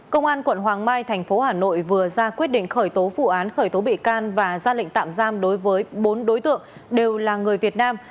công an quận hoàng mai thành phố hà nội vừa ra quyết định khởi tố vụ án khởi tố bị can và ra lệnh tạm giam đối với bốn đối tượng đều là người việt nam